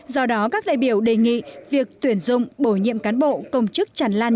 do đó các đại biểu đề nghị việc tuyển dụng bổ nhiệm cán bộ công chức chẳng lan